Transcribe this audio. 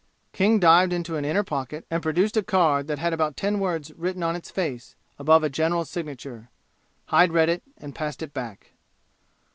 King dived into an inner pocket and produced a card that had about ten words written on its face, above a general's signature. Hyde read it and passed it back.